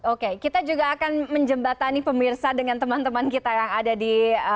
oke kita juga akan menjembatani pemirsa dengan teman teman kita yang ada di